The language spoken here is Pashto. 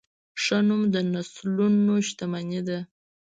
ښه نوم د نسلونو شتمني ده.